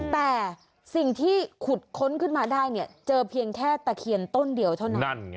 แต่สิ่งที่ขุดค้นขึ้นมาได้เนี่ยเจอเพียงแค่ตะเคียนต้นเดียวเท่านั้น